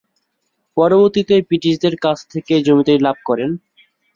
পরবর্তীতে ব্রিটিশদের কাছ থেকে জমিদারী লাভ করেন।